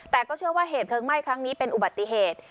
แต่ก็เชื่อว่าเหตุเพลิงไหม้ครั้งนี้เป็นอุบัติเหตุ